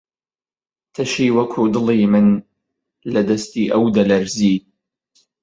تەشی وەکو دڵی من، لە دەستی ئەو دەلەرزی